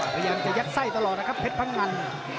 พยายามจะยัดไส้ตลอดนะครับเพชรพังงัน